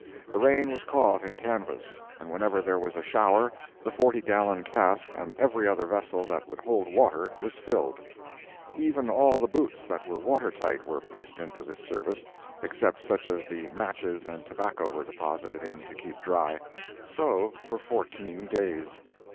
The rain was caught in canvas, and whenever there was a shower the forty gallon cask and every other vessel that would hold water was filled—even all the boots that were water tight were pressed into this service, except such as the matches and tobacco were deposited in to keep dry. So for fourteen days.